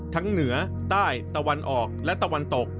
เหนือใต้ตะวันออกและตะวันตก